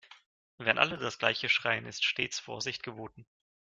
Wenn alle das gleiche schreien, ist stets Vorsicht geboten.